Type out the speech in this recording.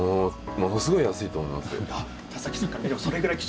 ものすごい安いと思いますよ。